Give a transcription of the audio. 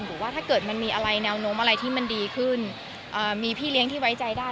ว่าถ้าเกิดมันมีอะไรแนวโน้มอะไรที่มันดีขึ้นมีพี่เลี้ยงที่ไว้ใจได้